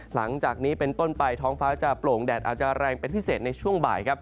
หลังจากนี้เป็นต้นไปท้องฟ้าจะโปร่งแดดอาจจะแรงเป็นพิเศษในช่วงบ่ายครับ